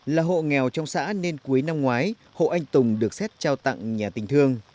là hộ nghèo trong xã nên cuối năm ngoái hộ anh tùng được xét trao tặng nhà tình thương